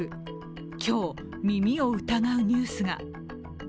今日、耳を疑うニュースが。